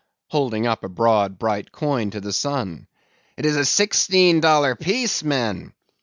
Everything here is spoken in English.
—holding up a broad bright coin to the sun—"it is a sixteen dollar piece, men.